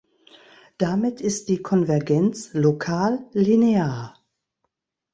Damit ist die Konvergenz lokal linear.